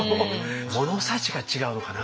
物差しが違うのかな？